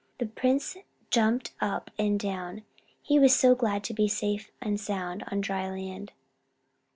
The prince jumped up and down, he was so glad to be safe and sound on dry land.